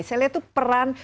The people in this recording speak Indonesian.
saya lihat itu peran